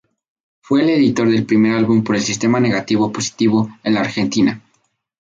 Fue el editor del primer álbum por el sistema negativo-positivo en la Argentina.